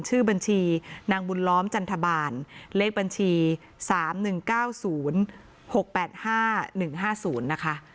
ชื่อบัญชีนางบุญล้อมจันทบาลเลขบัญชี๓๑๙๐๖๘๕๑๕๐นะคะ